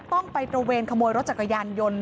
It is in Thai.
ต้องไปตระเวนขโมยรถจักรยานยนต์